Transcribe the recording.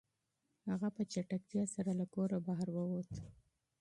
هغه په چټکۍ سره له کوره بهر ووت.